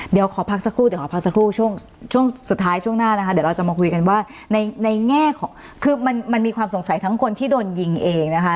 เดี๋ยวเราจะมาคุยกันว่าในแง่ของคือมันมีความสงสัยทั้งคนที่โดนยิงเองนะคะ